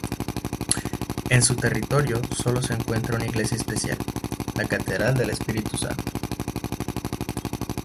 En su territorio sólo se encuentra una iglesia especial, la Catedral del Espíritu Santo.